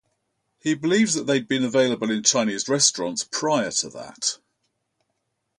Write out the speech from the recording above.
He believes that they had been available in Chinese restaurants prior to that.